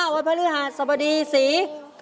๕วันพระฤหาสมดีสี